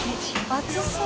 暑そう。